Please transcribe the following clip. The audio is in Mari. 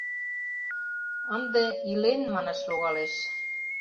— Ынде илен, манаш логалеш.